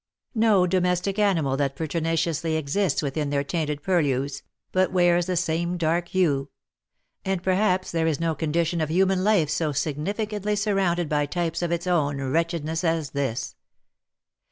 No domestic animal that pertinaciously exists within their tainted purlieus, but wears the same dark hue ; and perhaps there is no condition of human life so significantly surrounded by types of its own wretched ness as this.